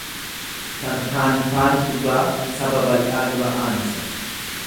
Tarkaanfaan dhugaa saba bal’aa dura aansa